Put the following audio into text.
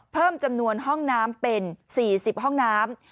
เพิ่มจำนวนห้องน้ำเป็น๔๐ห้องน้ำ